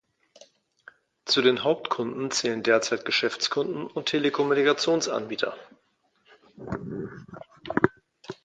Zu den Hauptkunden zählen derzeit Geschäftskunden und Telekommunikationsanbieter.